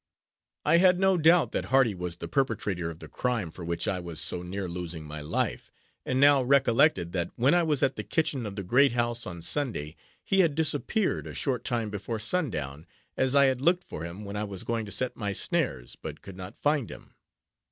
I had no doubt that Hardy was the perpetrator of the crime for which I was so near losing my life; and now recollected that when I was at the kitchen of the great house on Sunday, he had disappeared, a short time before sundown, as I had looked for him when I was going to set my snares, but could not find him.